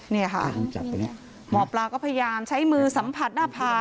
เนี่ยค่ะหมอปลาก็พยายามใช้มือสัมผัสหน้าผาก